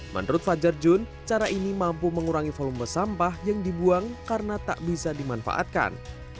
menurut fajar jun cara ini mampu mengurangi volume sampah yang dibuang karena tak bisa dimanfaatkan